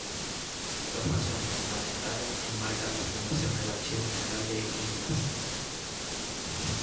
Dos razones fundamentales enmarcan la fundación del Archivo General de Indias.